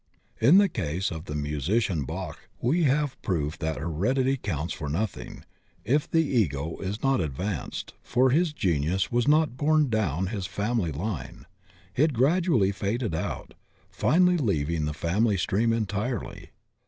In the case of the musician Bach we have proof that heredity counts for nothing if the Ego is not ad vanced, for his genius was not borne down his family line; it gradually faded out, finally leaving the family stream entirely.